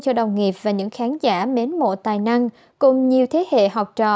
cho đồng nghiệp và những khán giả mến mộ tài năng cùng nhiều thế hệ học trò